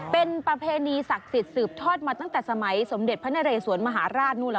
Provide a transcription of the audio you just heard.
เป็นประเพณีศักดิ์สิทธิ์สืบทอดมาตั้งแต่สมัยสมเด็จพระนเรสวนมหาราชนู่นล่ะ